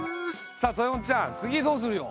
さあ豊本ちゃん次どうするよ？